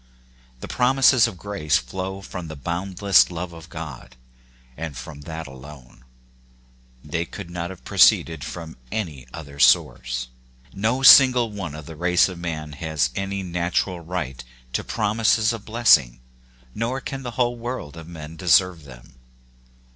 The promises of grace flow from the boundless love of God : and from that alone. They could not have proceeded from any other source. No single one of the race of man has any natural right to promises of blessing, nor can the whole world of men deserve them.